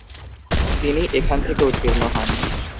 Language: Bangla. তিনি এখান থেকে উত্তীর্ণ হন।